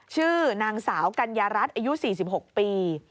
ชื่อนางสาวกัญญารัฐอายุ๔๖ปี